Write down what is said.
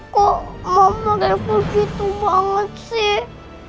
kok mama mereka begitu banget sih